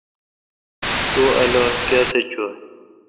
تو الو کیتھ چوں ۔